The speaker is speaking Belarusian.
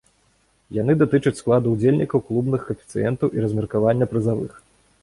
Яны датычаць складу ўдзельнікаў, клубных каэфіцыентаў і размеркавання прызавых.